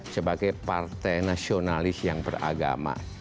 sebagai partai nasionalis yang beragama